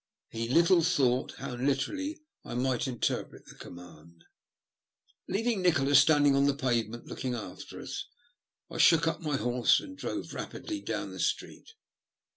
He little thought how Uterally I might interpret the command. Leaving Nikola standing on the pavement looking after us, I shook up my horse and drove rapidly down the street.